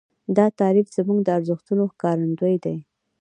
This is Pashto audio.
دا تعریف زموږ د ارزښتونو ښکارندوی دی.